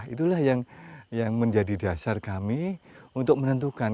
itulah yang menjadi dasar kami untuk menentukan